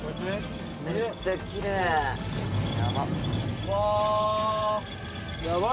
めっちゃきれい！やばっ！